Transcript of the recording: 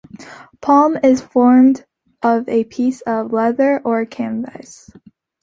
Palm is formed of a piece of leather or canvas.